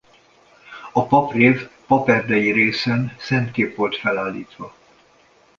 Paprév-paperdei részen szentkép volt felállítva.